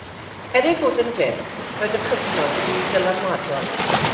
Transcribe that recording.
Er ei fod yn fyr, roed y cyfnod yn un dylanwadol.